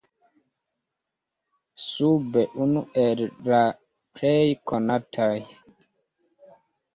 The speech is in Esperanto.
Sube unu el la plej konataj.